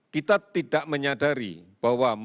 kita tidak menyadari bahwa